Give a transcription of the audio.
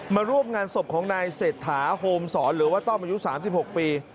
มาร่วมงานศพของนายเศรษฐาโฮมสอนหรือว่าต้อมอายุ๓๖ปี